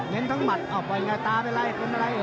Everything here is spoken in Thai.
เน้นทั้งหมัดอ้าวปล่อยไงตาเป็นอะไร